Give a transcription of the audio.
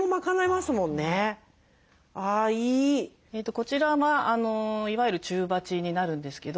こちらはいわゆる中鉢になるんですけど。